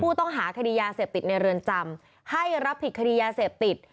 ข้อหาคดียาเสพติดในเรือนจำให้รับผิดคดียาเสพติด